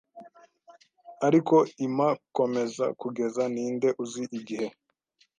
Ariko Ima komeza 'kugeza ninde uzi igihe